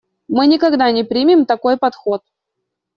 Мы никогда не примем такой подход.